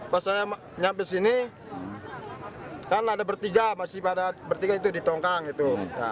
pas saya nyampe sini kan ada bertiga masih bertiga itu ditongkang gitu